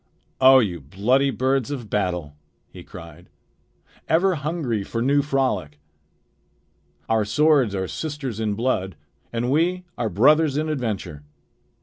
"O you bloody birds of battle!" he cried. "Ever hungry for new frolic! Our swords are sisters in blood, and we are brothers in adventure.